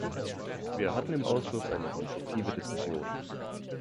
Wir hatten im Ausschuss eine konstruktive Diskussion.